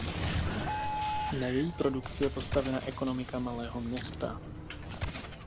Na její produkci je postavena ekonomika malého města.